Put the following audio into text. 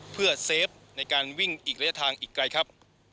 เพื่อเซฟในการวิ่งอีกระยะทางอีกไกลครับ